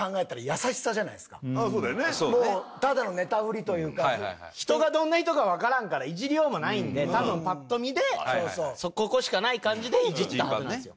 もうただのネタ振りというか人がどんな人か分からんからイジりようもないんで多分パッと見でここしかない感じでイジったんですよ